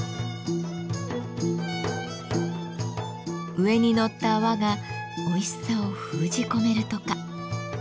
上にのった泡がおいしさを封じ込めるとか。